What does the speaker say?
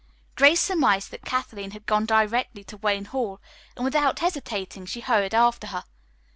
Grace surmised that Kathleen had gone directly to Wayne Hall, and without hesitating she hurried after her.